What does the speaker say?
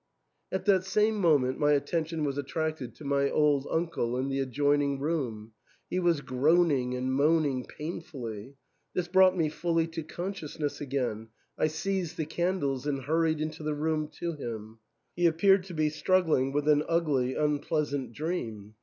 At that same moment my attention was attracted to my old uncle in the adjoining room ; he was groaning and moaning painfully. This brought me fully to con sciousness again ; I seized the candles and hurried into the room to him. He appeared to be struggling with an ugly, unpleasant dream.